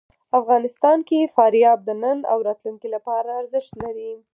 افغانستان کې فاریاب د نن او راتلونکي لپاره ارزښت لري.